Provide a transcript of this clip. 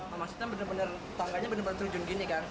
maksudnya benar benar tangganya benar benar terjun gini kan